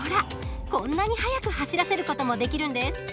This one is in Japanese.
こんなに速く走らせる事もできるんです。